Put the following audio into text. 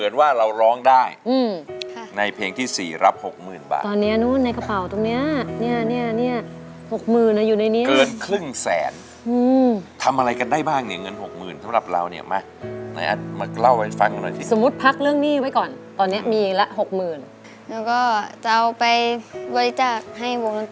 ยังเหลืออีกสองแผ่นป้าย